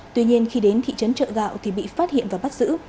tuy nhiên khi đến thị trấn trợ gạo thì bị phát hiện và bắt giữ